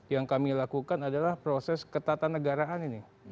yang kami lakukan adalah proses ketatanegaraan ini